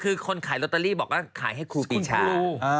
คือคนขายลอตเตอรี่บอกว่าขายให้ครูปีชา